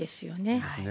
そうですね。